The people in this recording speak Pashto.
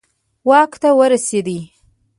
واک ته ورسېدي.